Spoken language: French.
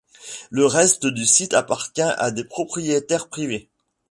Le reste du site appartient à des propriétaires privés.